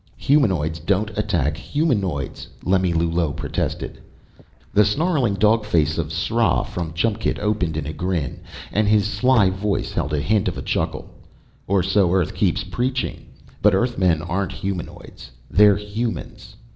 "Humanoids don't attack humanoids," Lemillulot protested. The snarling, dog face of Sra from Chumkt opened in a grin, and his sly voice held a hint of a chuckle. "Or so Earth keeps preaching. But Earthmen aren't humanoids. They're humans!"